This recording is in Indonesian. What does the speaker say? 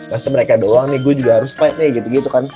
masa mereka doang nih gue juga harus fight deh gitu gitu kan